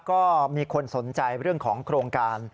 ก็มีคนสนใจเรื่องของโครงการ